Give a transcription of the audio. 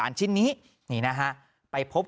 อารมณ์ไม่ดีเพราะว่าอะไรฮะ